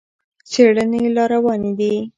څېړنې لا روانې دي.